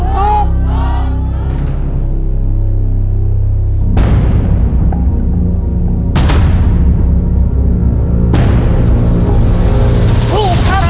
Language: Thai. ถูกครับ